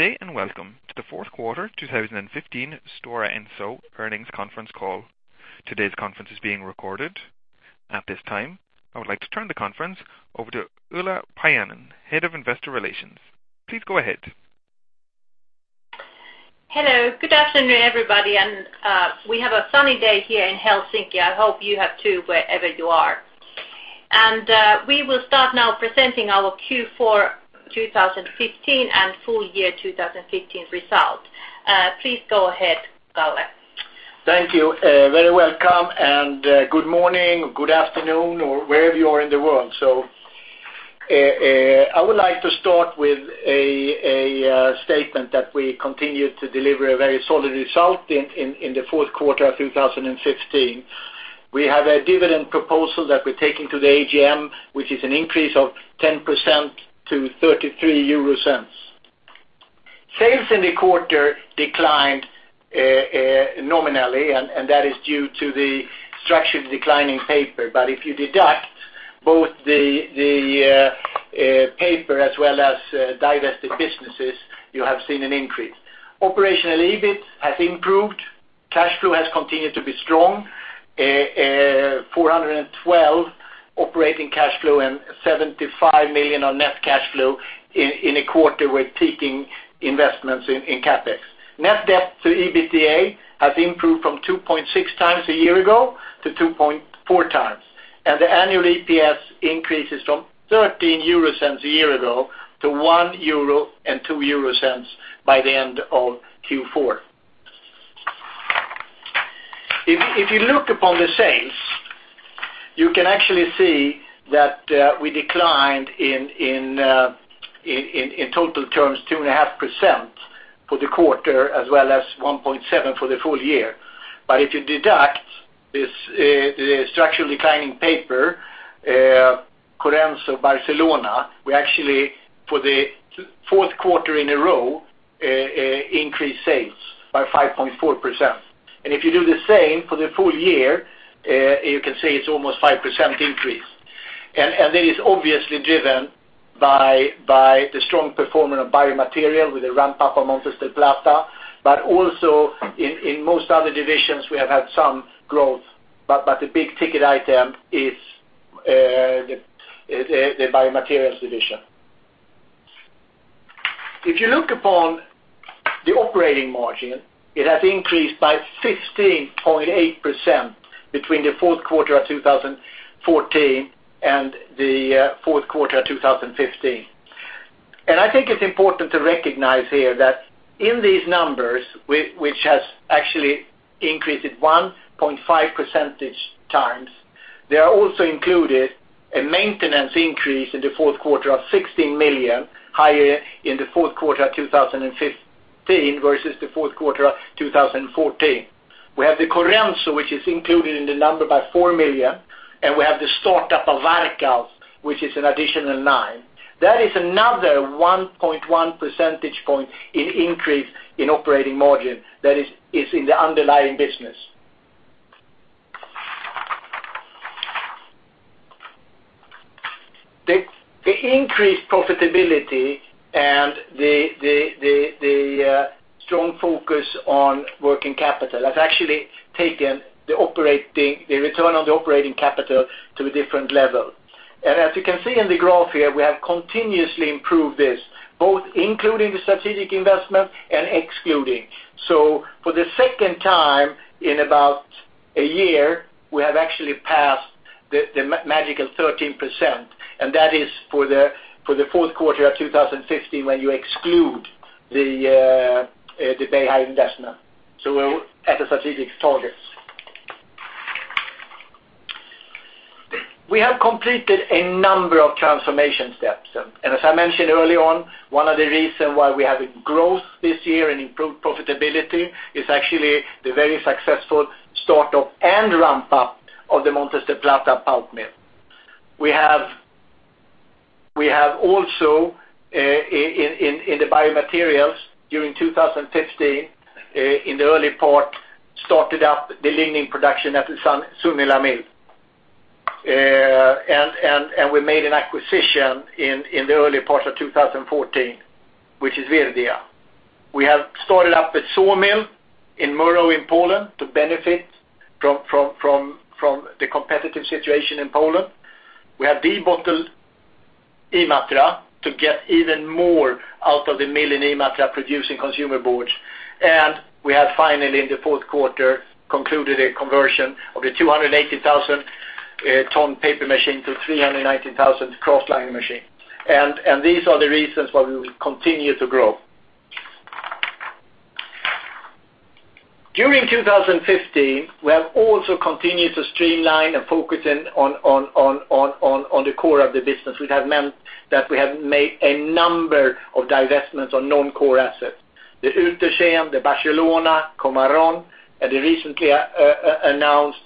Good day, welcome to the fourth quarter 2015 Stora Enso earnings conference call. Today's conference is being recorded. At this time, I would like to turn the conference over to Ulla Paajanen, Head of Investor Relations. Please go ahead. Hello. Good afternoon, everybody. We have a sunny day here in Helsinki. I hope you have too, wherever you are. We will start now presenting our Q4 2015 and full year 2015 result. Please go ahead, Karl. Thank you. Very welcome, good morning or good afternoon or wherever you are in the world. I would like to start with a statement that we continued to deliver a very solid result in the fourth quarter of 2015. We have a dividend proposal that we're taking to the AGM, which is an increase of 10% to 0.33. Sales in the quarter declined nominally, that is due to the structured declining paper. If you deduct both the paper as well as divested businesses, you have seen an increase. Operational EBIT has improved. Cash flow has continued to be strong. 412 operating cash flow and 75 million on net cash flow in a quarter we're taking investments in CapEx. Net debt to EBITDA has improved from 2.6 times a year ago to 2.4 times. The annual EPS increases from 0.13 a year ago to 1.02 euro by the end of Q4. If you look upon the sales, you can actually see that we declined, in total terms, 2.5% for the quarter as well as 1.7% for the full year. If you deduct the structural declining paper, Correnso Barcelona, we actually, for the fourth quarter in a row, increased sales by 5.4%. If you do the same for the full year, you can see it's almost 5% increase. That is obviously driven by the strong performance of Biomaterials with the ramp-up of Montes del Plata, but also in most other divisions, we have had some growth. But the big-ticket item is the Biomaterials division. If you look upon the operating margin, it has increased by 15.8% between the fourth quarter of 2014 and the fourth quarter of 2015. I think it's important to recognize here that in these numbers, which has actually increased at 1.5 percentage points, there are also included a maintenance increase in the fourth quarter of 16 million, higher in the fourth quarter of 2015 versus the fourth quarter of 2014. We have the Correnso, which is included in the number by 4 million, and we have the startup of Varkaus, which is an additional 9 million. That is another 1.1 percentage points in increase in operating margin that is in the underlying business. The increased profitability and the strong focus on working capital has actually taken the return on the operating capital to a different level. As you can see in the graph here, we have continuously improved this, both including the strategic investment and excluding. For the second time in about a year, we have actually passed the magical 13%, and that is for the fourth quarter of 2015, when you exclude the Beihai investment. We're at the strategic targets. We have completed a number of transformation steps. As I mentioned early on, one of the reasons why we have growth this year and improved profitability is actually the very successful start-up and ramp-up of the Montes del Plata pulp mill. We have also, in the Biomaterials, during 2015, in the early part, started up the lignin production at the Sunila mill. We made an acquisition in the early part of 2014, which is Virdia. We have started up a sawmill in Murów in Poland to benefit from the competitive situation in Poland. We have debottled Imatra to get even more out of the mill in Imatra producing consumer boards. We have finally, in the fourth quarter, concluded a conversion of the 280,000-ton paper machine to 390,000 kraftliner machine. These are the reasons why we will continue to grow. During 2015, we have also continued to streamline and focus in on the core of the business, which has meant that we have made a number of divestments on non-core assets. The Uetersen, the Barcelona, Komárom, and the recently announced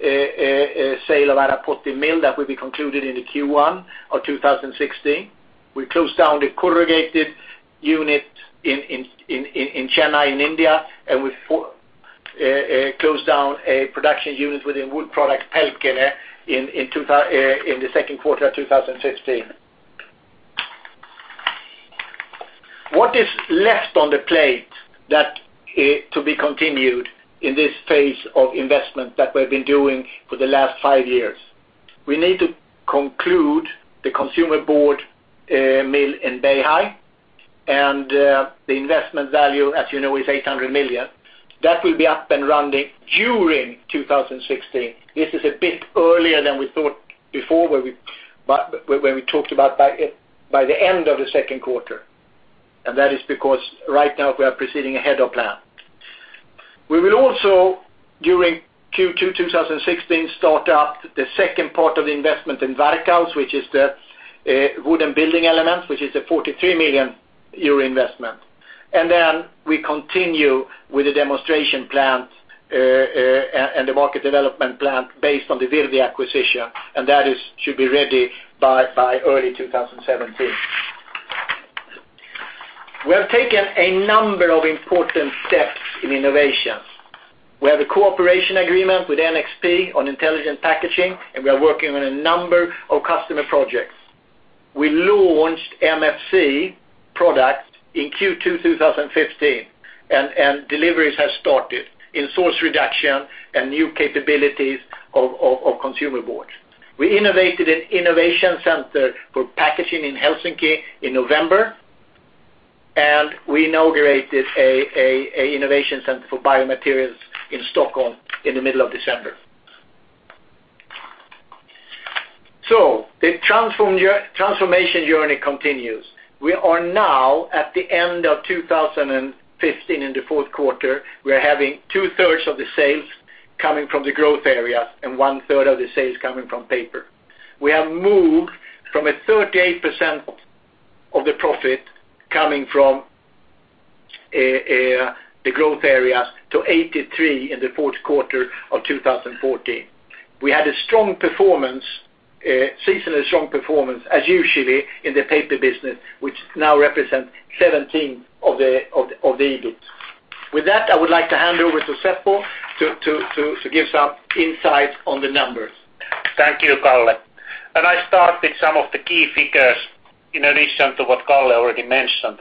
sale of Arapoti mill that will be concluded in Q1 2016. We closed down the corrugated unit in Chennai in India. We closed down a production unit within Wood Products, Pälkäne, in the second quarter of 2015. What is left on the plate to be continued in this phase of investment that we've been doing for the last five years? We need to conclude the consumer board mill in Beihai, and the investment value, as you know, is 800 million. That will be up and running during 2016. This is a bit earlier than we thought before when we talked about by the end of the second quarter. That is because right now we are proceeding ahead of plan. We will also, during Q2 2016, start up the second part of the investment in Varkaus, which is the wooden building elements, which is a 43 million euro investment. Then we continue with the demonstration plant and the market development plant based on the Virdia acquisition, and that should be ready by early 2017. We have taken a number of important steps in innovations. We have a cooperation agreement with NXP on intelligent packaging, and we are working on a number of customer projects. We launched MFC product in Q2 2015, and deliveries have started in source reduction and new capabilities of consumer boards. We innovated an innovation center for packaging in Helsinki in November, and we inaugurated an innovation center for biomaterials in Stockholm in the middle of December. The transformation journey continues. We are now at the end of 2015 in the fourth quarter. We are having two-thirds of the sales coming from the growth areas and one-third of the sales coming from Paper. We have moved from a 38% of the profit coming from the growth areas to 83% in the fourth quarter of 2014. We had a seasonally strong performance, as usually, in the Paper business, which now represents 17% of the EBIT. With that, I would like to hand over to Seppo to give some insight on the numbers. Thank you, Karl. I start with some of the key figures in addition to what Karl already mentioned.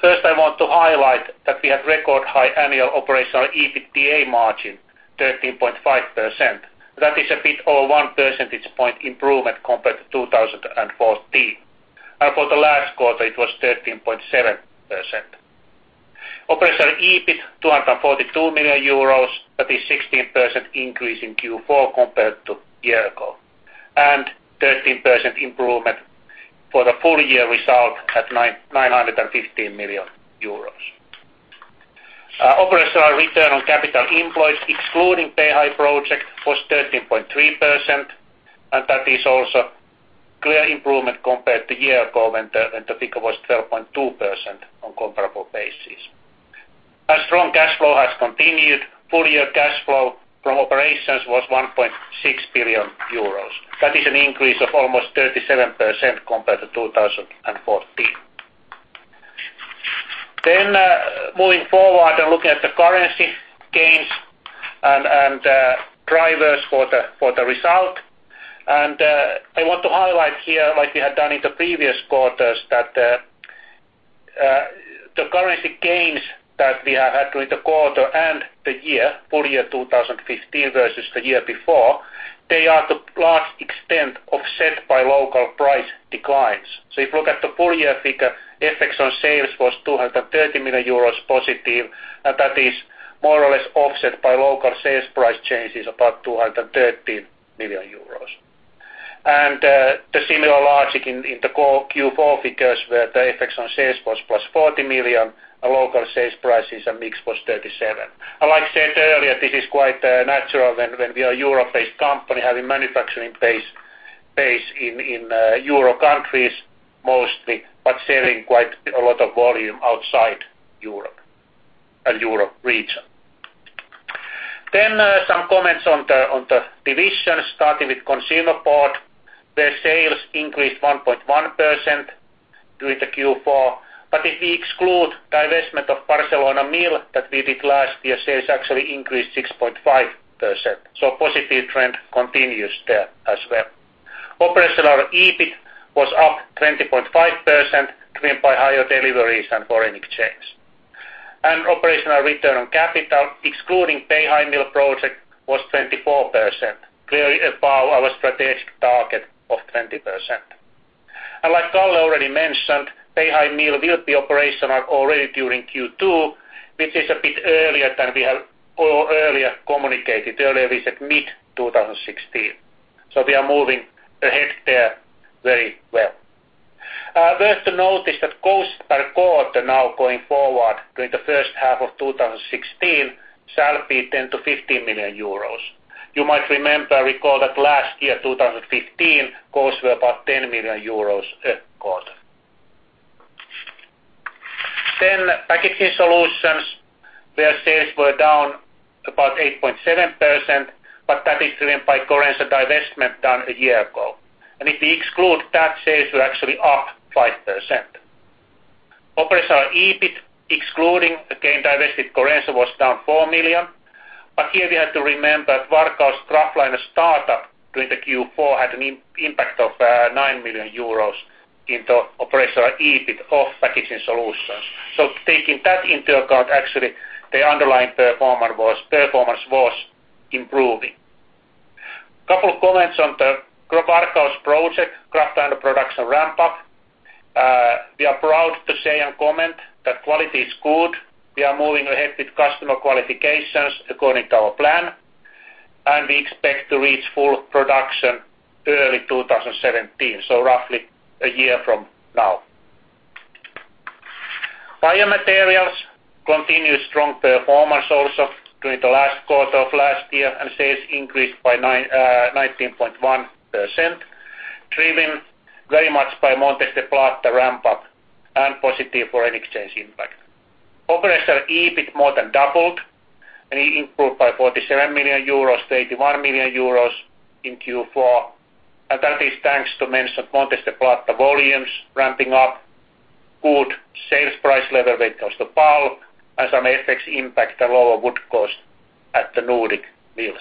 First I want to highlight that we had record high annual operational EBITDA margin, 13.5%. That is a bit over 1 percentage point improvement compared to 2014. For the last quarter, it was 13.7%. Operational EBIT 242 million euros. That is 16% increase in Q4 compared to a year ago and 13% improvement for the full-year result at 915 million euros. Operational return on capital employed, excluding Beihai project, was 13.3%, and that is also clear improvement compared to a year ago when the figure was 12.2% on comparable basis. Our strong cash flow has continued. Full-year cash flow from operations was 1.6 billion euros. That is an increase of almost 37% compared to 2014. Moving forward and looking at the currency gains and drivers for the result. I want to highlight here, like we have done in the previous quarters, that the currency gains that we have had during the quarter and the year, full year 2015 versus the year before, they are to large extent offset by local price declines. If you look at the full-year figure, FX on sales was 230 million euros positive, and that is more or less offset by local sales price changes, about 213 million euros. The similar logic in the Q4 figures where the effects on sales was plus 40 million, and local sales prices and mix was 37 million. Like I said earlier, this is quite natural when we are a Europe-based company having manufacturing base in Euro countries mostly, but selling quite a lot of volume outside Europe and Europe region. Some comments on the divisions, starting with Consumer Board. Their sales increased 1.1% during the Q4. If we exclude divestment of Barcelona Mill that we did last year, sales actually increased 6.5%. Positive trend continues there as well. Operational EBIT was up 20.5%, driven by higher deliveries and foreign exchange. Operational return on capital, excluding Beihai Mill project, was 24%, clearly above our strategic target of 20%. Like Karl already mentioned, Beihai Mill will be operational already during Q2, which is a bit earlier than we have earlier communicated. Earlier we said mid-2016. We are moving ahead there very well. Worth to notice that costs per quarter now going forward during the first half of 2016 shall be 10 million-15 million euros. You might remember we called that last year, 2015, costs were about 10 million euros a quarter. Packaging Solutions, their sales were down about 8.7%, but that is driven by currency divestment done a year ago. If we exclude that, sales were actually up 5%. Operational EBIT, excluding the gain divested Correnso, was down 4 million. Here we have to remember Varkaus Kraftliner startup during the Q4 had an impact of 9 million euros into operational EBIT of Packaging Solutions. Taking that into account, actually, the underlying performance was improving. A couple of comments on the Varkaus project, Kraftliner production ramp-up. We are proud to say and comment that quality is good. We are moving ahead with customer qualifications according to our plan, and we expect to reach full production early 2017, so roughly a year from now. Biomaterials continue strong performance also during the last quarter of last year. Sales increased by 19.1%, driven very much by Montes del Plata ramp-up and positive foreign exchange impact. Operational EBIT more than doubled and improved by 47 million euros to 81 million euros in Q4. That is thanks to mentioned Montes del Plata volumes ramping up, good sales price level because the PAL has an FX impact and lower wood cost at the Nordic mills.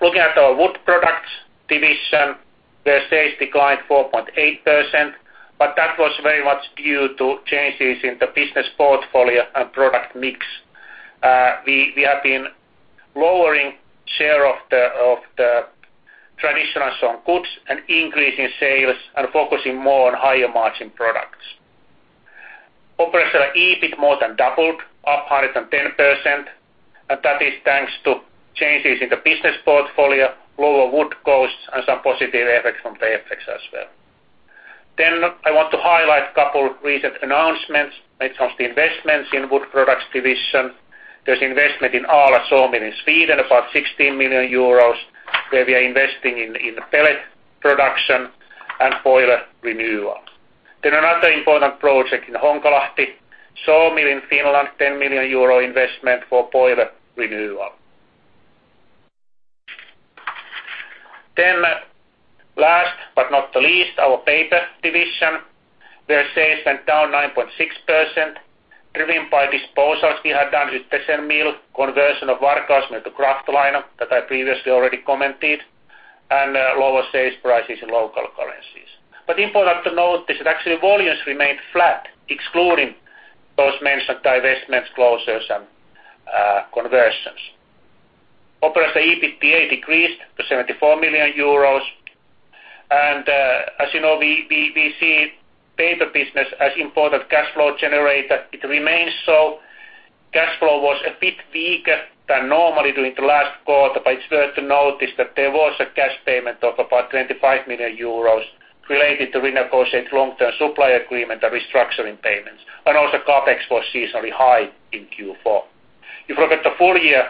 Looking at our Wood Products division, their sales declined 4.8%, but that was very much due to changes in the business portfolio and product mix. We have been lowering share of the traditional strong goods and increasing sales and focusing more on higher-margin products. Operational EBIT more than doubled, up 110%. That is thanks to changes in the business portfolio, lower wood costs, and some positive effects from the FX as well. I want to highlight a couple recent announcements when it comes to investments in Wood Products division. There is investment in Ala sawmill in Sweden, about 16 million euros, where we are investing in the pellet production and boiler renewal. Another important project in Honkalahti sawmill in Finland, 10 million euro investment for boiler renewal. Last but not the least, our Paper division, where sales went down 9.6%, driven by disposals we had done with mill, conversion of Varkaus into Kraftliner that I previously already commented, and lower sales prices in local currencies. Important to notice that actually volumes remained flat, excluding those mentioned divestments, closures, and conversions. Operational EBITA decreased to 74 million euros. As you know, we see Paper business as important cash flow generator. It remains so. Cash flow was a bit weaker than normally during the last quarter, but it is worth to notice that there was a cash payment of about 25 million euros related to renegotiate long-term supply agreement and restructuring payments, and also CapEx was seasonally high in Q4. If you look at the full year,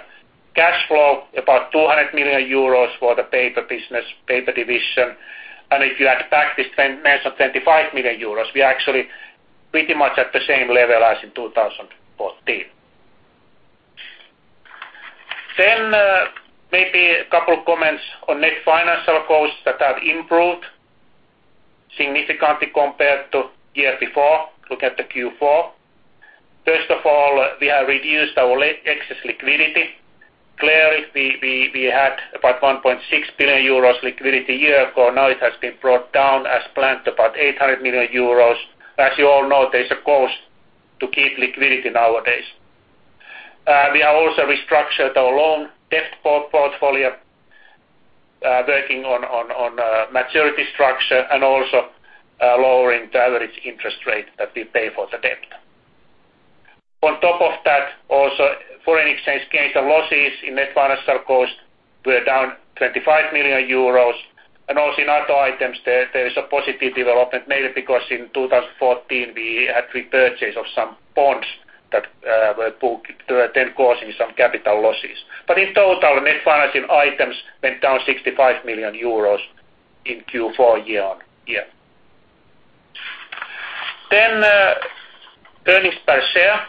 cash flow about 200 million euros for the Paper business, Paper division. If you add back this mentioned 25 million euros, we are actually pretty much at the same level as in 2014. Maybe a couple of comments on net financial costs that have improved significantly compared to year before. Look at the Q4. First of all, we have reduced our excess liquidity. Clearly, we had about 1.6 billion euros liquidity a year ago. Now it has been brought down as planned, about 800 million euros. As you all know, there is a cost to keep liquidity nowadays. We have also restructured our loan debt portfolio, working on maturity structure and also lowering the average interest rate that we pay for the debt. On top of that, also foreign exchange gains and losses in net financial cost were down 25 million euros. Also in other items, there is a positive development, mainly because in 2014, we had repurchase of some bonds that were then causing some capital losses. In total, net financing items went down 65 million euros in Q4 year-on-year. Earnings per share,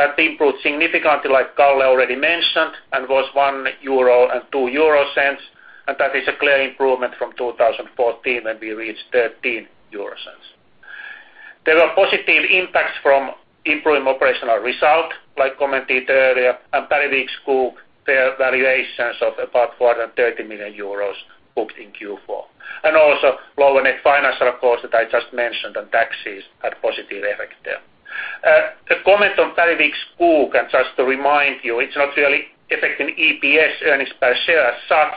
that improved significantly, like Karl already mentioned, and was 1.02 euro, and that is a clear improvement from 2014 when we reached 0.13. There were positive impacts from improving operational result, like commented earlier, and Bergvik Skog, fair valuations of about 430 million euros booked in Q4. Also lower net financial cost that I just mentioned on taxes had positive effect there. A comment on Bergvik Skog, just to remind you, it is not really affecting EPS, earnings per share as such,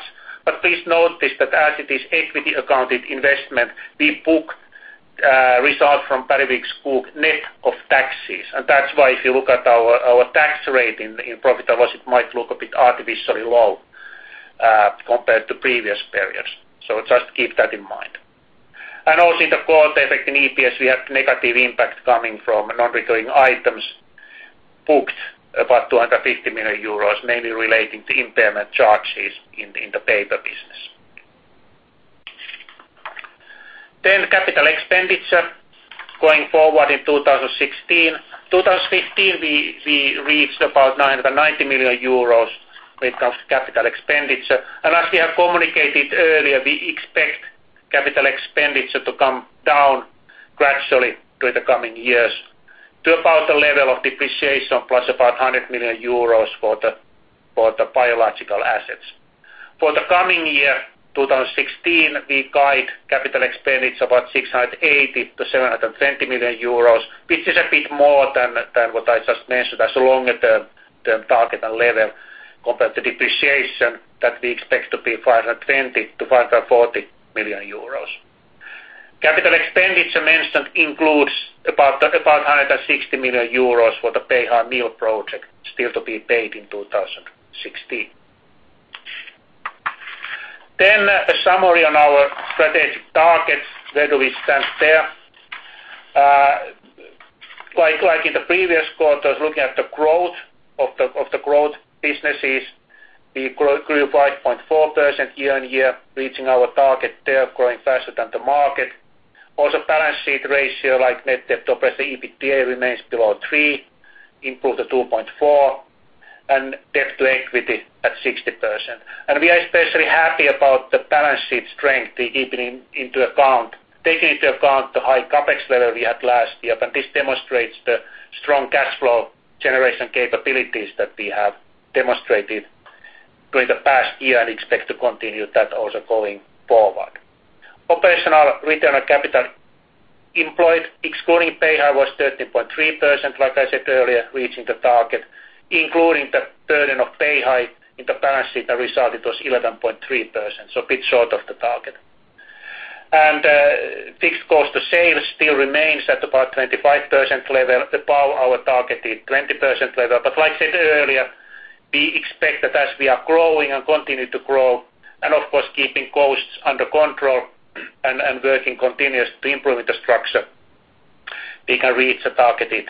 please notice that as it is equity accounted investment, we book results from Bergvik Skog net of taxes. That is why if you look at our tax rate in profit and loss, it might look a bit artificially low compared to previous periods. Just keep that in mind. Also in the cost affecting EPS, we had negative impact coming from non-recurring items booked about 250 million euros, mainly relating to impairment charges in the Paper business. Capital expenditure Going forward in 2016. In 2015, we reached about 990 million euros when it comes to capital expenditure. As we have communicated earlier, we expect capital expenditure to come down gradually during the coming years to about the level of depreciation, plus about 100 million euros for the biological assets. For the coming year 2016, we guide capital expenditure about 680 million-720 million euros, which is a bit more than what I just mentioned as a longer-term target and level compared to depreciation that we expect to be 520 million-540 million euros. Capital expenditure mentioned includes about 160 million euros for the Beihai mill project still to be paid in 2016. A summary on our strategic targets, where do we stand there. Like in the previous quarters, looking at the growth of the growth businesses, we grew 5.4% year-on-year, reaching our target there, growing faster than the market. Also balance sheet ratio like net debt to operating EBITDA remains below three, improved to 2.4, and debt to equity at 60%. We are especially happy about the balance sheet strength, taking into account the high CapEx level we had last year. This demonstrates the strong cash flow generation capabilities that we have demonstrated during the past year and expect to continue that also going forward. Operational return on capital employed, excluding Beihai, was 13.3%, like I said earlier, reaching the target. Including the burden of Beihai in the balance sheet, the result it was 11.3%, so a bit short of the target. Fixed cost to sales still remains at about 25% level, above our targeted 20% level. Like I said earlier, we expect that as we are growing and continue to grow, and of course, keeping costs under control and working continuously to improve the structure, we can reach a targeted 20%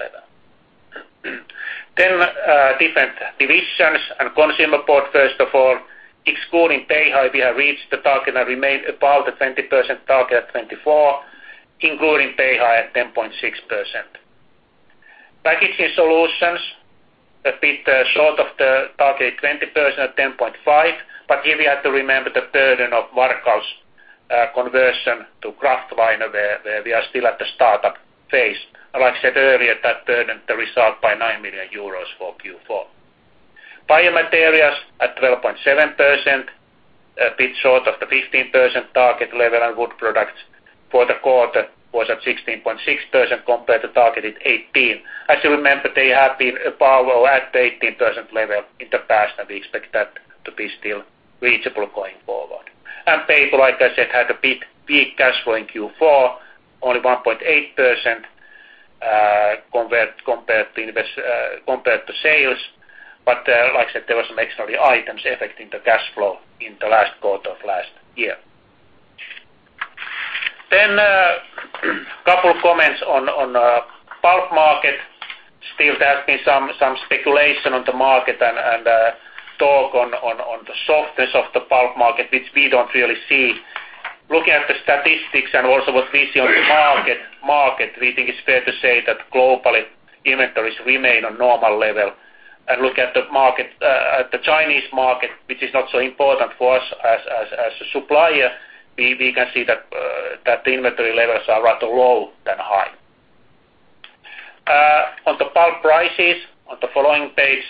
level. Different divisions and Consumer Board, first of all. Excluding Beihai, we have reached the target and remained above the 20% target at 24%, including Beihai at 10.6%. Packaging Solutions, a bit short of the target 20% at 10.5%, but here we have to remember the burden of Varkaus conversion to kraftliner where we are still at the startup phase. Like I said earlier, that burdened the result by 9 million euros for Q4. Biomaterials at 12.7%, a bit short of the 15% target level, and Wood Products for the quarter was at 16.6% compared to targeted 18%. You remember, they have been above or at the 18% level in the past, and we expect that to be still reachable going forward. Paper, like I said, had a big peak cash flow in Q4, only 1.8% compared to sales. Like I said, there was some extraordinary items affecting the cash flow in the last quarter of last year. A couple of comments on pulp market. Still there has been some speculation on the market and talk on the softness of the pulp market, which we don't really see. Looking at the statistics and also what we see on the market, we think it's fair to say that globally inventories remain on normal level. Look at the Chinese market, which is not so important for us as a supplier, we can see that the inventory levels are rather low than high. On the pulp prices, on the following page,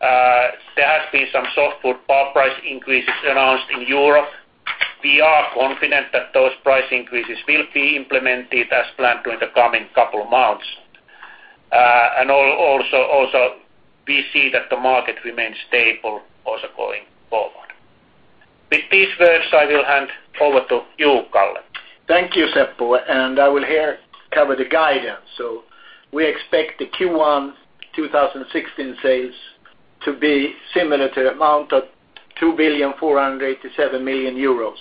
there has been some softwood pulp price increases announced in Europe. We are confident that those price increases will be implemented as planned during the coming couple of months. Also, we see that the market remains stable also going forward. With these words, I will hand over to you, Karl. Thank you, Seppo. I will here cover the guidance. We expect the Q1 2016 sales to be similar to the amount of 2,487 million euros.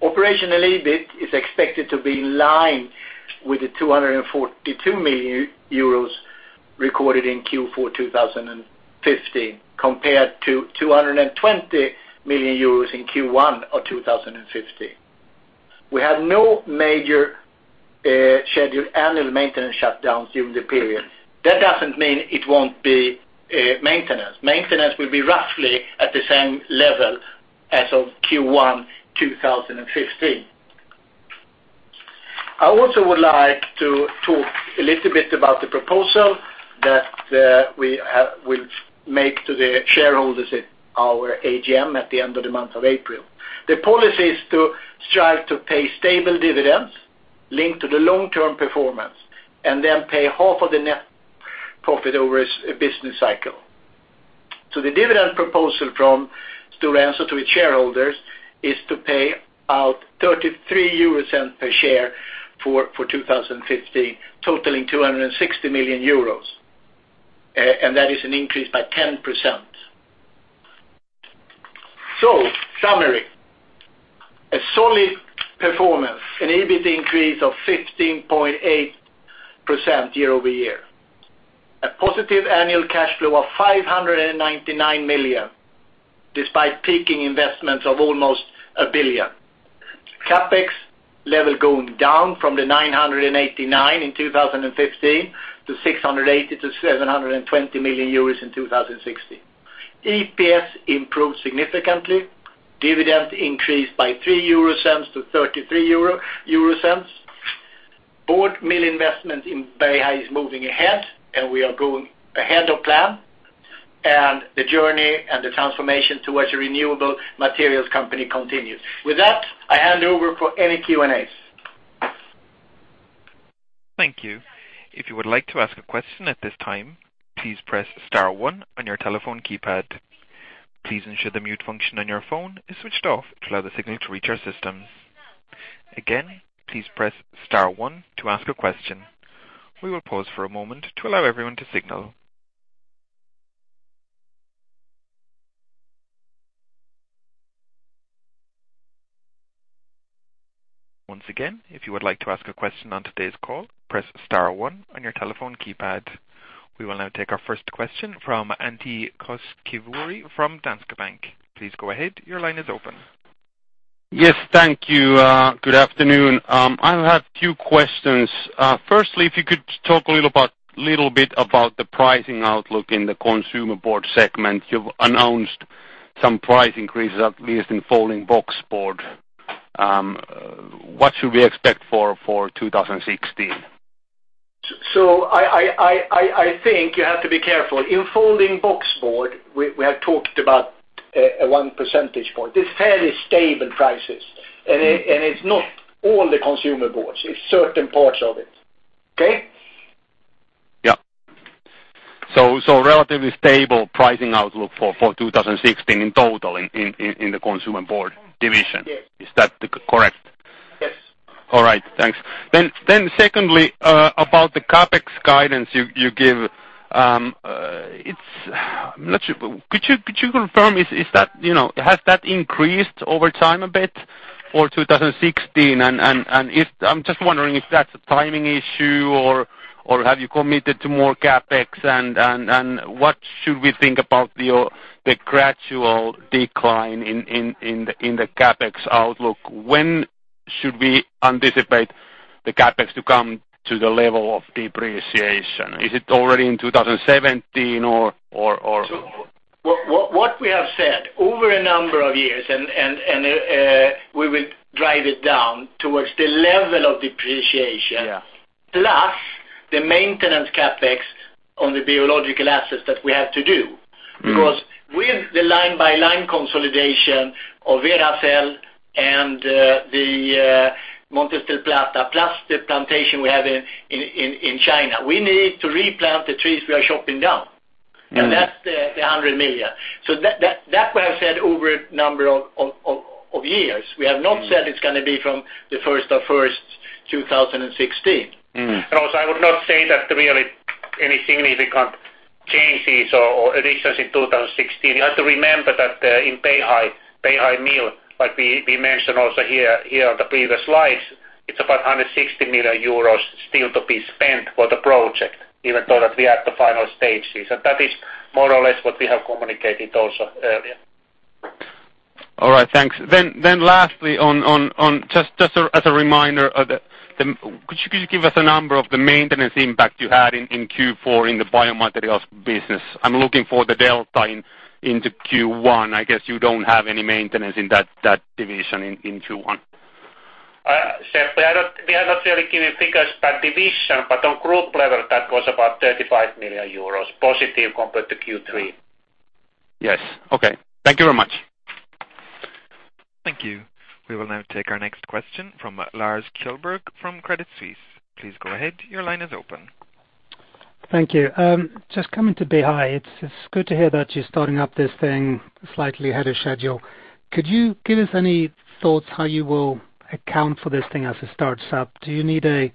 Operational EBIT is expected to be in line with the 242 million euros recorded in Q4 2015, compared to 220 million euros in Q1 of 2015. We have no major scheduled annual maintenance shutdowns during the period. That doesn't mean it won't be maintenance. Maintenance will be roughly at the same level as of Q1 2015. I also would like to talk a little bit about the proposal that we will make to the shareholders at our AGM at the end of the month of April. The policy is to strive to pay stable dividends linked to the long-term performance, pay half of the net profit over a business cycle. The dividend proposal from Stora Enso to its shareholders is to pay out 0.33 per share for 2015, totaling 260 million euros. That is an increase by 10%. Summary. A solid performance, an EBIT increase of 15.8% year-over-year. A positive annual cash flow of 599 million, despite peaking investments of almost 1 billion. CAPEX level going down from the 989 million in 2015 to 680 million-720 million euros in 2016. EPS improved significantly. Dividends increased by 0.03 to 0.33. Board mill investment in Beihai is moving ahead, we are going ahead of plan. The journey and the transformation towards a renewable materials company continues. With that, I hand over for any Q&As. Thank you. If you would like to ask a question at this time, please press star one on your telephone keypad. Please ensure the mute function on your phone is switched off to allow the signal to reach our system. Again, please press star one to ask a question. We will pause for a moment to allow everyone to signal. Once again, if you would like to ask a question on today's call, press star one on your telephone keypad. We will now take our first question from Antti Koskivuori from Danske Bank. Please go ahead. Your line is open. Yes, thank you. Good afternoon. I have two questions. Firstly, if you could talk a little bit about the pricing outlook in the Consumer Board segment. You've announced some price increases, at least in folding boxboard. What should we expect for 2016? I think you have to be careful. In folding boxboard, we have talked about a one percentage point. It's fairly stable prices. It's not all the Consumer Board, it's certain parts of it. Okay? Yeah. Relatively stable pricing outlook for 2016 in total in the Consumer Board division. Yes. Is that correct? Yes. All right. Thanks. Secondly, about the CapEx guidance you give. Could you confirm, has that increased over time a bit for 2016? I'm just wondering if that's a timing issue or have you committed to more CapEx, and what should we think about the gradual decline in the CapEx outlook? When should we anticipate the CapEx to come to the level of depreciation? Is it already in 2017? What we have said, over a number of years, and we will drive it down towards the level of depreciation. Yeah. The maintenance CapEx on the biological assets that we have to do. With the line-by-line consolidation of Veracel and the Montes del Plata, plus the plantation we have in China, we need to replant the trees we are chopping down. That's the 100 million. That's what I've said over a number of years. We have not said it's going to be from the first of first, 2016. Also, I would not say that really any significant changes or additions in 2016. You have to remember that in Beihai Mill, like we mentioned also here on the previous slides, it's about 160 million euros still to be spent for the project, even though that we are at the final stages. That is more or less what we have communicated also earlier. All right. Thanks. Lastly, just as a reminder, could you give us a number of the maintenance impact you had in Q4 in the Biomaterials business? I'm looking for the delta into Q1. I guess you don't have any maintenance in that division in Q1. Seppo, we have not really given figures per division, but on group level, that was about 35 million euros positive compared to Q3. Yes. Okay. Thank you very much. Thank you. We will now take our next question from Lars Kjellberg from Credit Suisse. Please go ahead. Your line is open. Thank you. Coming to Beihai, it's good to hear that you're starting up this thing slightly ahead of schedule. Could you give us any thoughts how you will account for this thing as it starts up? Do you need a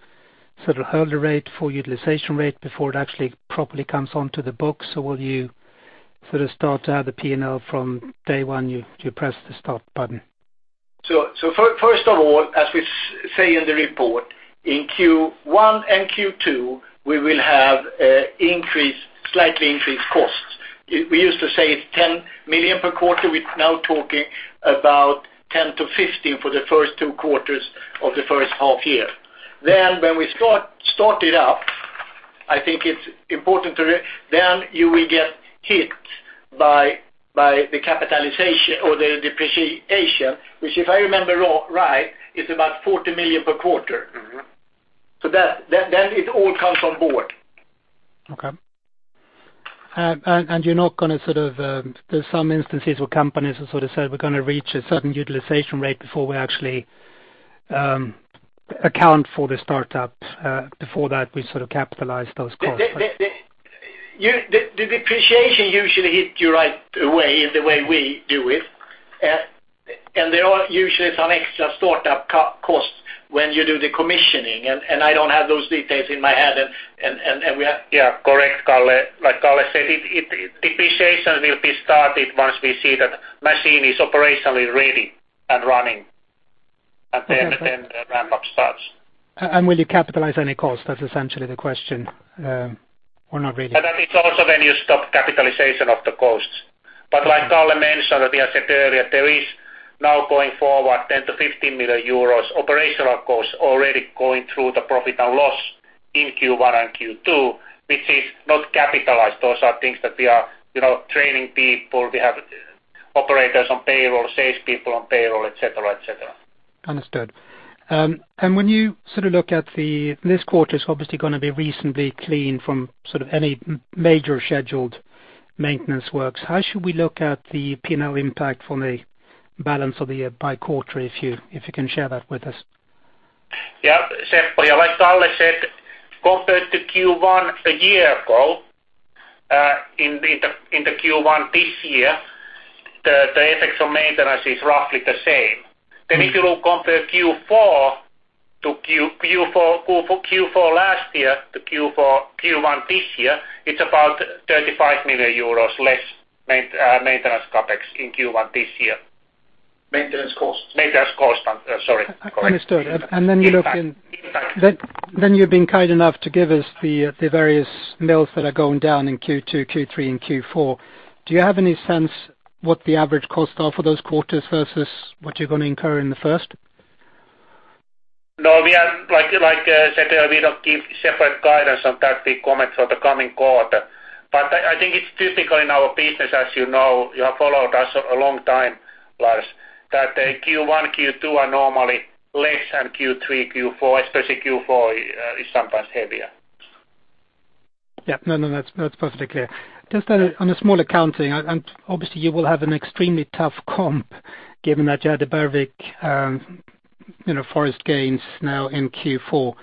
sort of hurdle rate, full utilization rate before it actually properly comes onto the books, or will you sort of start to have the P&L from day one you press the start button? First of all, as we say in the report, in Q1 and Q2, we will have slightly increased costs. We used to say it's 10 million per quarter. We're now talking about 10 to 15 for the first two quarters of the first half year. When we start it up, I think it's important to then you will get hit by the capitalization or the depreciation, which, if I remember right, is about 40 million per quarter. It all comes on board. Okay. You're not going to sort of, there's some instances where companies have sort of said we're going to reach a certain utilization rate before we actually account for the startup. Before that, we sort of capitalize those costs. The depreciation usually hit you right away in the way we do it. There are usually some extra startup costs when you do the commissioning, and I don't have those details in my head. Yeah. Correct, Karl. Like Karl said, depreciation will be started once we see that machine is operationally ready and running. Then the ramp-up starts. Will you capitalize any cost? That's essentially the question. That is also when you stop capitalization of the costs. Like Karl mentioned, we have said earlier, there is now going forward 10 million-15 million euros operational costs already going through the profit and loss in Q1 and Q2, which is not capitalized. Those are things that we are training people, we have operators on payroll, sales people on payroll, et cetera. Understood. When you look at this quarter, it's obviously going to be reasonably clean from any major scheduled maintenance works. How should we look at the P&L impact from the balance of the year by quarter, if you can share that with us? Yeah, Seppo, like Karl said, compared to Q1 a year ago, in the Q1 this year, the [scheduled] maintenance is roughly the same. If you look, compare Q4 last year to Q1 this year, it's about 35 million euros less maintenance CapEx in Q1 this year. Maintenance costs. Maintenance costs, sorry. Understood. Impact You've been kind enough to give us the various mills that are going down in Q2, Q3, and Q4. Do you have any sense what the average costs are for those quarters versus what you're going to incur in the first? No, we are like, I said earlier, we don't give separate guidance on that. We comment for the coming quarter. I think it's typical in our business as you know, you have followed us a long time, Lars, that Q1, Q2 are normally less than Q3, Q4, especially Q4 is sometimes heavier. Yeah. No, that's perfectly clear. Just on a smaller counting, obviously you will have an extremely tough comp given that you had the Bergvik forest gains now in Q4.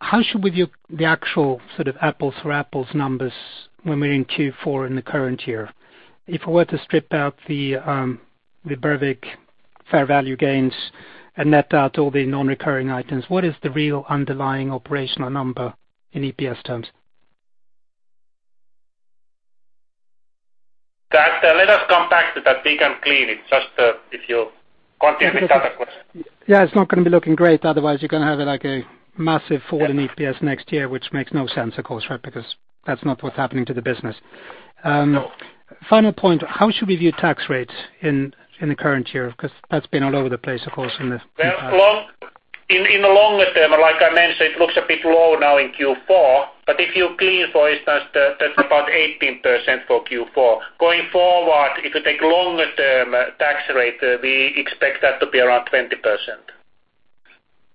How should we view the actual sort of apples for apples numbers when we're in Q4 in the current year? If we were to strip out the Bergvik fair value gains and net out all the non-recurring items, what is the real underlying operational number in EPS terms? That, let us come back to that big and clear. It's just if you continue with other questions. Yeah, it's not going to be looking great, otherwise you're going to have like a massive fall in EPS next year, which makes no sense, of course, because that's not what's happening to the business. No. Final point, how should we view tax rates in the current year? That's been all over the place, of course, in the past. In the longer term, like I mentioned, it looks a bit low now in Q4, but if you clean, for instance, that's about 18% for Q4. Going forward, if you take longer term tax rate, we expect that to be around 20%.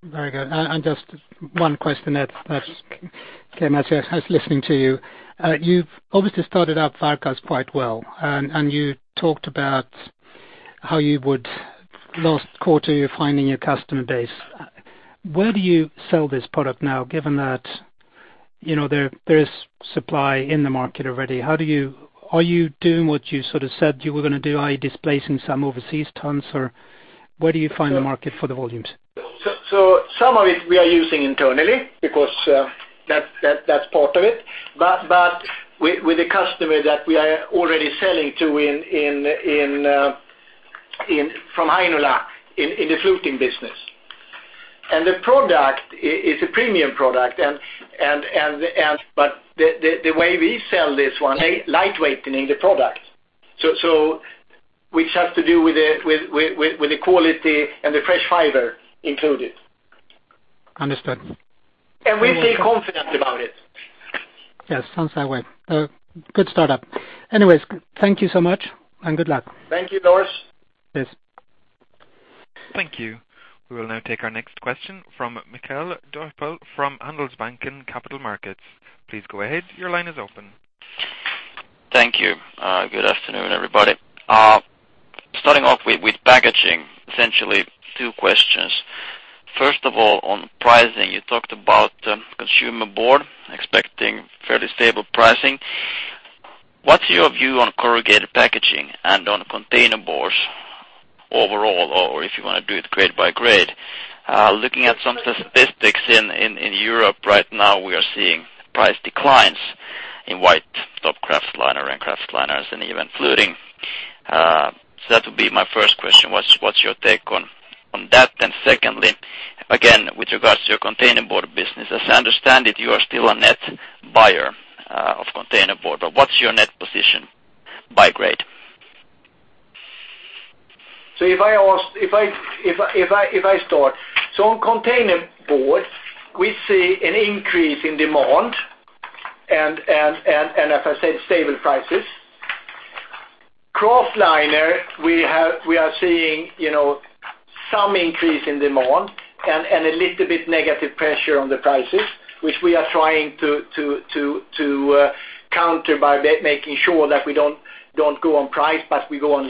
Very good. Just one question that came as I was listening to you. You've obviously started out Varkaus quite well, and you talked about how you would, last quarter, you're finding your customer base. Where do you sell this product now, given that there is supply in the market already? Are you doing what you said you were going to do, i.e., displacing some overseas tons, or where do you find the market for the volumes? Some of it we are using internally because that's part of it. With the customer that we are already selling to from Heinola in the fluting business. The product is a premium product, but the way we sell this one, lightweightening the product. Which has to do with the quality and the fresh fiber included. Understood. We feel confident about it. Yes, sounds that way. Good startup. Anyway, thank you so much and good luck. Thank you, Lars. Cheers. Thank you. We will now take our next question from Mikael Doepel from Handelsbanken Capital Markets. Please go ahead. Your line is open. Thank you. Good afternoon, everybody. Starting off with packaging, essentially two questions. First of all, on pricing, you talked about Consumer Board expecting fairly stable pricing. What's your view on corrugated packaging and on container boards overall, or if you want to do it grade by grade? Looking at some statistics in Europe right now, we are seeing price declines in white top kraftliner and kraftliners and even fluting. That would be my first question, what's your take on that? Secondly, again, with regards to your containerboard business, as I understand it, you are still a net buyer of containerboard, but what's your net position by grade? If I start. On container boards, we see an increase in demand, and as I said, stable prices. Kraftliner, we are seeing some increase in demand and a little bit negative pressure on the prices, which we are trying to counter by making sure that we don't go on price, but we go on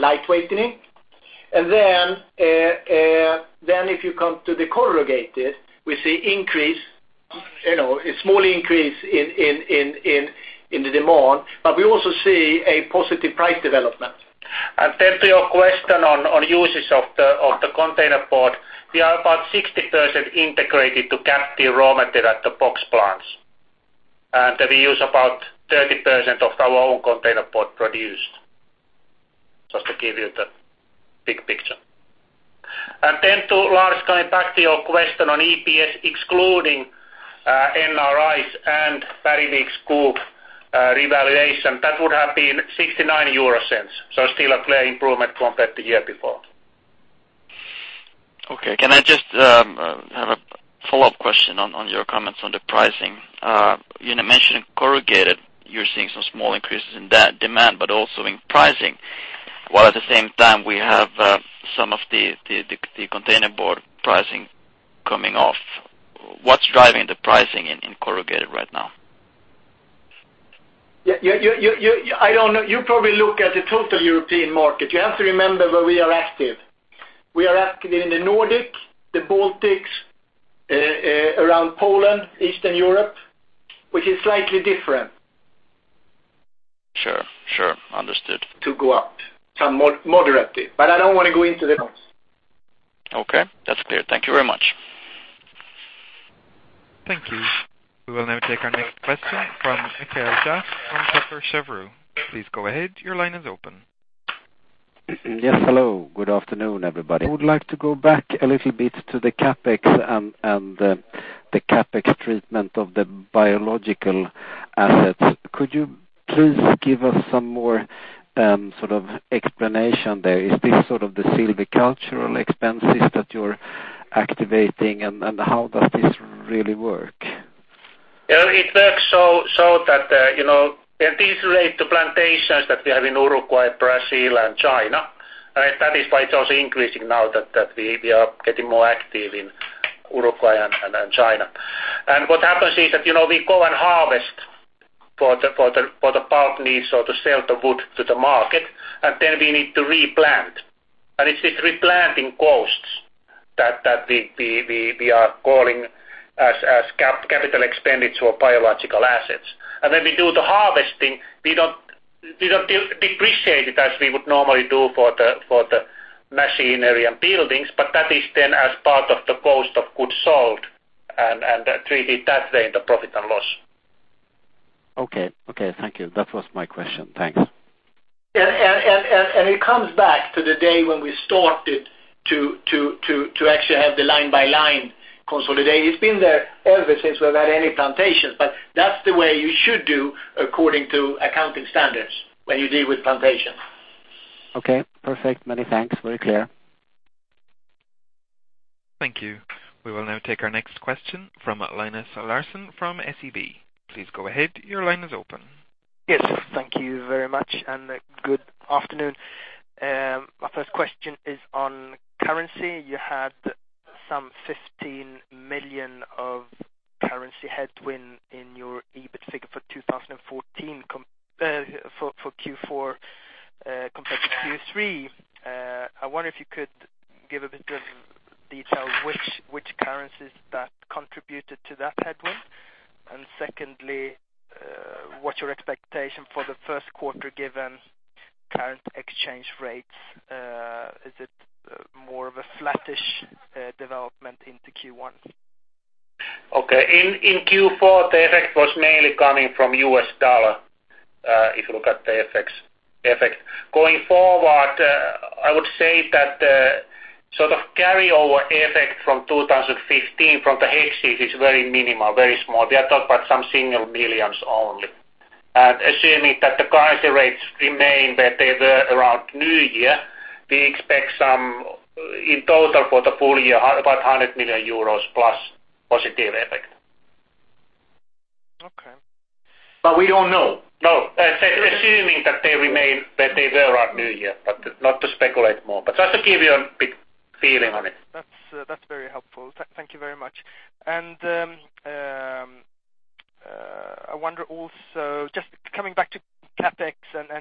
lightweightening. If you come to the corrugated, we see a small increase in the demand. We also see a positive price development. To your question on usage of the containerboard, we are about 60% integrated to get the raw material at the box plants. We use about 30% of our own containerboard produced. Just to give you the big picture. To Lars, coming back to your question on EPS, excluding NRIs and Bergvik Wood revaluation, that would have been 0.69. Still a clear improvement compared to year before. Okay. Can I just have a follow-up question on your comments on the pricing? You mentioned in corrugated, you're seeing some small increases in demand but also in pricing. While at the same time, we have some of the containerboard pricing coming off. What's driving the pricing in corrugated right now? You probably look at the total European market. You have to remember where we are active. We are active in the Nordic, the Baltics, around Poland, Eastern Europe, which is slightly different. Sure. Understood. To go up. Some moderate it. I don't want to go into the numbers. Okay. That's clear. Thank you very much. Thank you. We will now take our next question from Cole Hathorn from Jefferies. Please go ahead. Your line is open. Yes, hello. Good afternoon, everybody. I would like to go back a little bit to the CapEx and the CapEx treatment of the biological assets. Could you please give us some more sort of explanation there? Is this sort of the silvicultural expenses that you're activating, and how does this really work? It works so that these relate to plantations that we have in Uruguay, Brazil, and China. That is why it's also increasing now that we are getting more active in Uruguay and China. What happens is that we go and harvest for the pulp needs or to sell the wood to the market, and then we need to replant. It's these replanting costs that we are calling as capital expenditure or biological assets. When we do the harvesting, we don't depreciate it as we would normally do for the machinery and buildings, but that is then as part of the cost of goods sold and treated that way in the profit and loss. Okay. Thank you. That was my question. Thanks. It comes back to the day when we started to actually have the line-by-line consolidated. It's been there ever since we've had any plantations, but that's the way you should do according to accounting standards when you deal with plantations. Okay, perfect. Many thanks. Very clear. Thank you. We will now take our next question from Linus Larsson from SEB. Please go ahead. Your line is open. Yes, thank you very much and good afternoon. My first question is on currency. You had some 15 million of currency headwind in your EBIT figure for Q4 compared to Q3. Secondly, what's your expectation for the first quarter given current exchange rates? Is it more of a flattish development into Q1? Okay. In Q4, the effect was mainly coming from US dollar, if you look at the FX effect. Going forward, I would say that the sort of carryover effect from 2015 from the hedges is very minimal, very small. We are talking about some single millions only. Assuming that the currency rates remain where they were around New Year, we expect in total for the full year, about 100 million euros plus positive effect. Okay. We don't know. Assuming that they remain where they were around New Year, not to speculate more. Just to give you a bit feeling on it. That's very helpful. Thank you very much. I wonder also, just coming back to CapEx,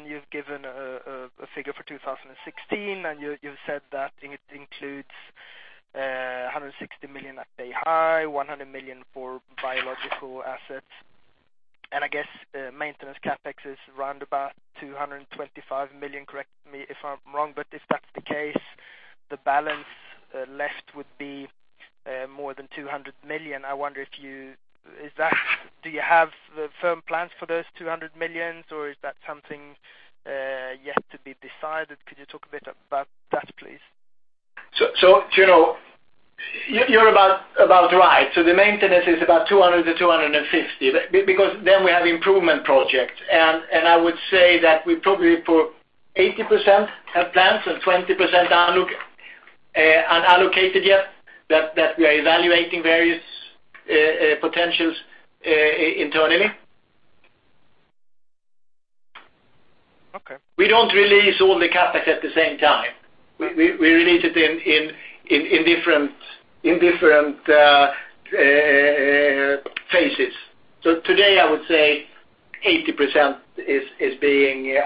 you've given a figure for 2016, you've said that it includes 160 million at Beihai, 100 million for biological assets. I guess maintenance CapEx is around about 225 million, correct me if I'm wrong, but if that's the case, the balance left would be more than 200 million. Do you have the firm plans for those 200 million or is that something yet to be decided? Could you talk a bit about that, please? You're about right. The maintenance is about 200 million to 250 million, because then we have improvement projects. I would say that we probably put 80% have plans and 20% aren't allocated yet, that we are evaluating various potentials internally. Okay. We don't release all the CapEx at the same time. We release it in different phases. Today I would say 80% is being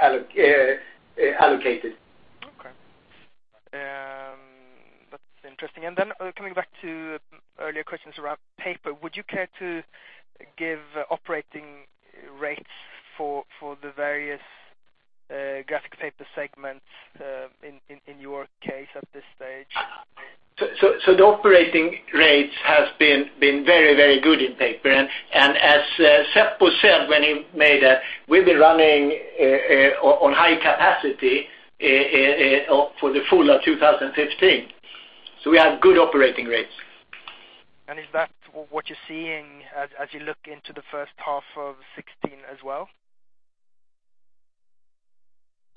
allocated. Okay. That's interesting. Then coming back to earlier questions around Paper, would you care to give operating rates for the various graphic paper segments in your case at this stage? The operating rates has been very good in Paper. As Seppo said, we've been running on high capacity for the full of 2015. We have good operating rates. Is that what you're seeing as you look into the first half of 2016 as well?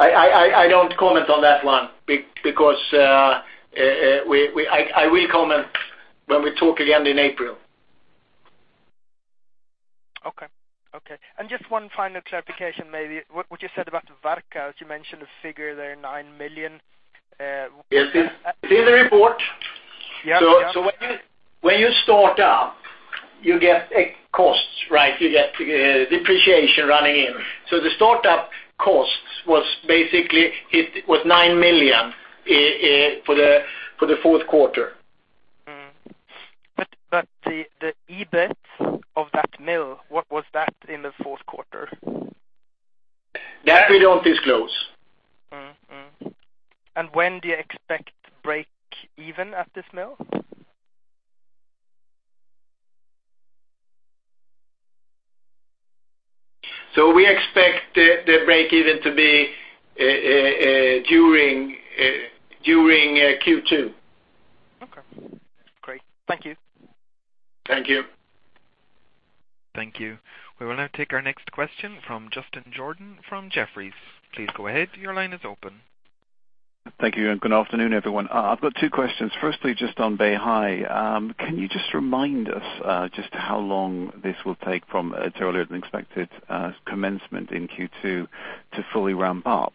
I don't comment on that one, because I will comment when we talk again in April. Just one final clarification maybe. What you said about Varkaus, you mentioned a figure there, 9 million. It's in the report. Yeah. When you start up, you get costs. You get depreciation running in. The start-up costs was basically 9 million for the fourth quarter. The EBIT of that mill, what was that in the fourth quarter? That we don't disclose. When do you expect to break even at this mill? We expect the break even to be during Q2. Okay, great. Thank you. Thank you. Thank you. We will now take our next question from Justin Jordan from Jefferies. Please go ahead. Your line is open. Thank you. Good afternoon, everyone. I've got two questions. Firstly, just on Beihai. Can you just remind us just how long this will take from its earlier than expected commencement in Q2 to fully ramp up?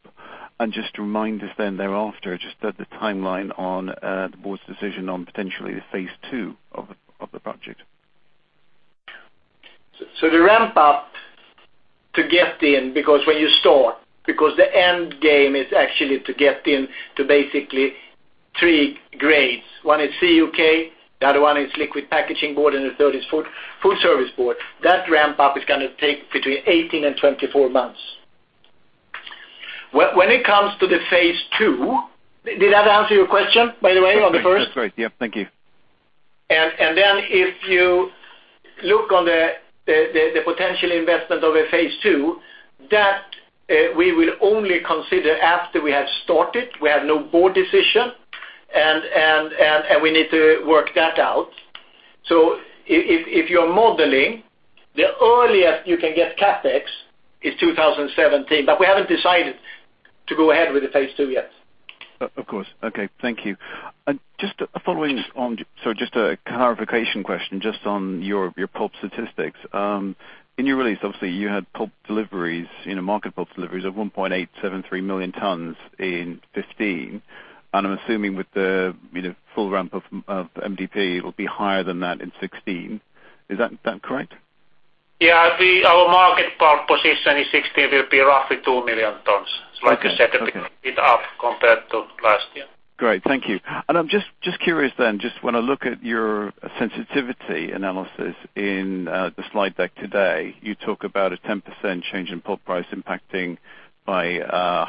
Just remind us then thereafter, just the timeline on the board's decision on potentially the phase two of the project. The ramp up to get in, the end game is actually to get in to basically three grades. One is CUK, the other one is liquid packaging board, and the third is food service board. That ramp up is going to take between 18 and 24 months. When it comes to the phase 2. Did that answer your question, by the way, on the first? That's great. Yeah, thank you. If you look on the potential investment of a phase 2, that we will only consider after we have started. We have no board decision, and we need to work that out. If you're modeling, the earliest you can get CapEx is 2017. We haven't decided to go ahead with the phase 2 yet. Of course. Okay, thank you. Just following on, just a clarification question, just on your pulp statistics. In your release, obviously, you had pulp deliveries, market pulp deliveries of 1.873 million tons in 2015. I'm assuming with the full ramp of MDP, it will be higher than that in 2016. Is that correct? Our market pulp position in 2016 will be roughly 2 million tons. Okay. It's like a second EBIT up compared to last year. Great, thank you. I'm curious when I look at your sensitivity analysis in the slide deck today, you talk about a 10% change in pulp price impacting by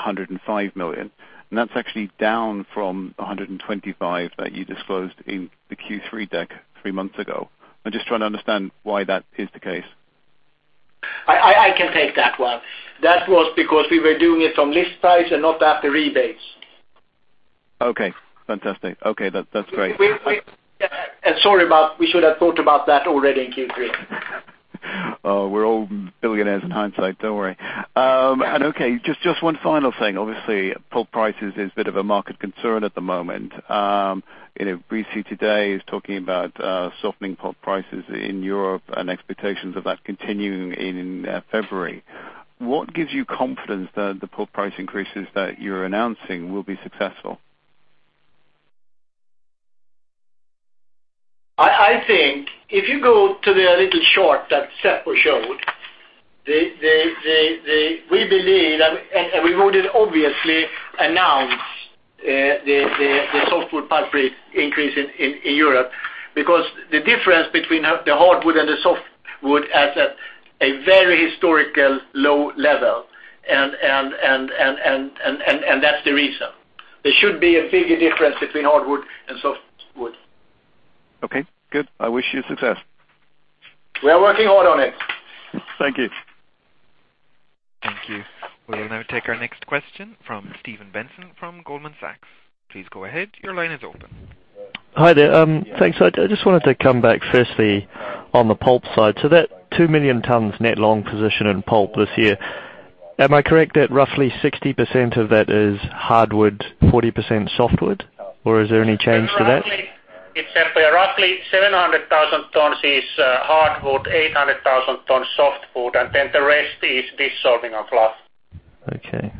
105 million, and that's actually down from 125 million that you disclosed in the Q3 deck three months ago. I'm trying to understand why that is the case. I can take that one. That was because we were doing it from list price and not after rebates. Okay, fantastic. Okay, that's great. Sorry about, we should have thought about that already in Q3. Oh, we're all billionaires in hindsight, don't worry. Yeah. Okay, just one final thing. Obviously, pulp prices is a bit of a market concern at the moment. Brief today is talking about softening pulp prices in Europe and expectations of that continuing in February. What gives you confidence that the pulp price increases that you're announcing will be successful? I think if you go to the little chart that Seppo showed, we believe, and we wouldn't obviously announce the softwood pulp increase in Europe because the difference between the hardwood and the softwood at a very historical low level, and that's the reason. There should be a bigger difference between hardwood and softwood. Okay, good. I wish you success. We are working hard on it. Thank you. Thank you. We will now take our next question from Stephen Benson from Goldman Sachs. Please go ahead. Your line is open. Hi there. Thanks. I just wanted to come back firstly on the pulp side. That 2 million tons net long position in pulp this year, am I correct that roughly 60% of that is hardwood, 40% softwood? Is there any change to that? It's roughly 700,000 tons is hardwood, 800,000 tons softwood, and then the rest is dissolving and fluff. Okay.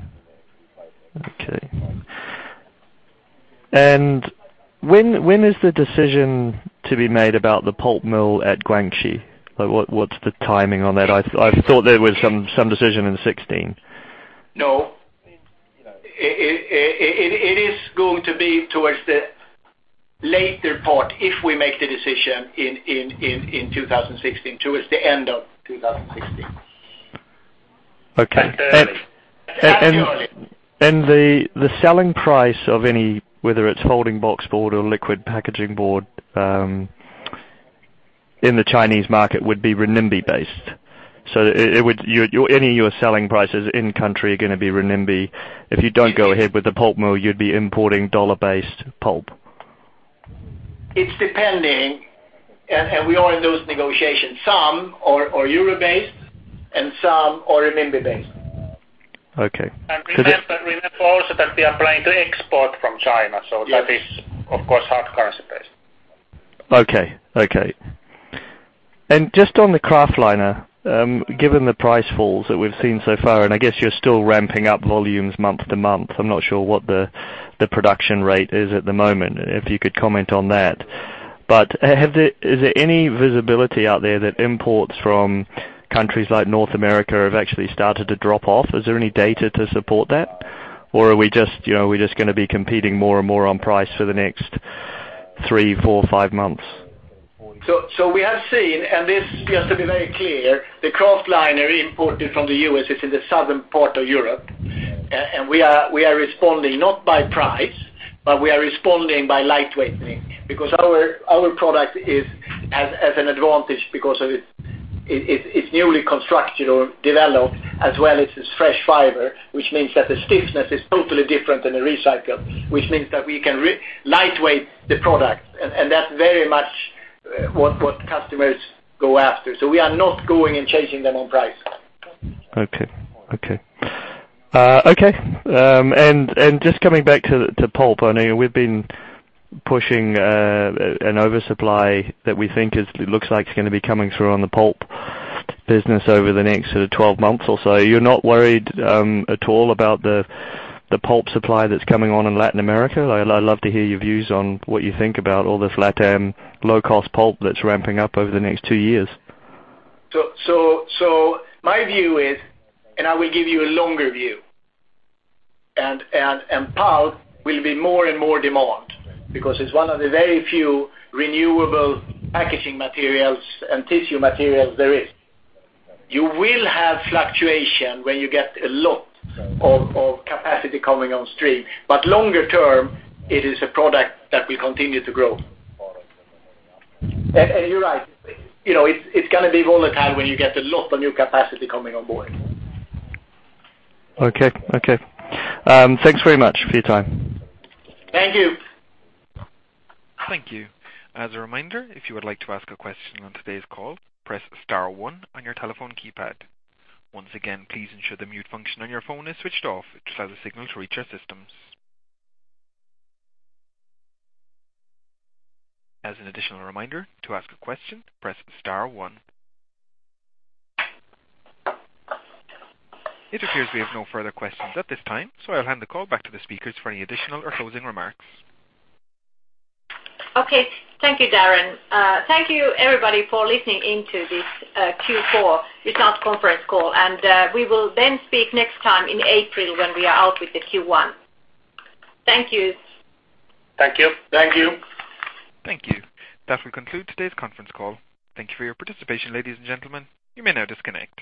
When is the decision to be made about the pulp mill at Guangxi? What's the timing on that? I thought there was some decision in 2016. No. It is going to be towards the later part if we make the decision in 2016, towards the end of 2016. Okay. That's early. The selling price of any, whether it's folding boxboard or liquid packaging board in the Chinese market would be renminbi based. Any of your selling prices in country are going to be renminbi. If you don't go ahead with the pulp mill, you'd be importing dollar-based pulp. It's depending, and we are in those negotiations. Some are euro based and some are renminbi based. Okay. Remember also that we are planning to export from China. Yes. That is, of course, hard currency based. Okay. Just on the Kraftliner, given the price falls that we've seen so far, I guess you're still ramping up volumes month to month, I'm not sure what the production rate is at the moment, if you could comment on that. Is there any visibility out there that imports from countries like North America have actually started to drop off? Is there any data to support that, or are we just going to be competing more and more on price for the next three, four, five months? We have seen, this, just to be very clear, the Kraftliner imported from the U.S. is in the southern part of Europe. We are responding not by price, but we are responding by lightweighting, because our product has an advantage because it's newly constructed or developed, as well as it's fresh fiber, which means that the stiffness is totally different than a recycle, which means that we can lightweight the product, and that's very much what customers go after. We are not going and changing them on price. Okay. Just coming back to pulp, I know we've been pushing an oversupply that we think looks like it's going to be coming through on the pulp business over the next sort of 12 months or so. You're not worried at all about the pulp supply that's coming on in Latin America? I'd love to hear your views on what you think about all this LatAm low-cost pulp that's ramping up over the next two years. My view is, and I will give you a longer view. Pulp will be more and more demand because it's one of the very few renewable packaging materials and tissue materials there is. You will have fluctuation when you get a lot of capacity coming on stream. Longer term, it is a product that will continue to grow. You're right, it's going to be volatile when you get a lot of new capacity coming on board. Okay. Thanks very much for your time. Thank you. Thank you. As a reminder, if you would like to ask a question on today's call, press star one on your telephone keypad. Once again, please ensure the mute function on your phone is switched off to allow the signal to reach our systems. As an additional reminder, to ask a question, press star one. It appears we have no further questions at this time, so I'll hand the call back to the speakers for any additional or closing remarks. Okay. Thank you, Darren. Thank you everybody for listening in to this Q4 results conference call, and we will then speak next time in April when we are out with the Q1. Thank you. Thank you. Thank you. Thank you. That will conclude today's conference call. Thank you for your participation, ladies and gentlemen. You may now disconnect.